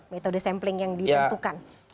metode sampling yang diantukan